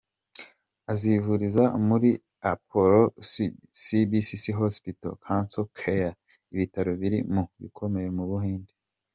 Azivuriza muri Apollo Cbcc Hospital Cancer Care, ibitaro biri mu bikomeye mu Buhinde.